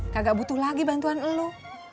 kagak butuh lagi bantuan lo